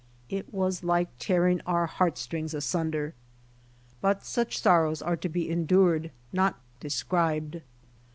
It was like tearing our heart strings asunder. But such sorrows are to be endured not described.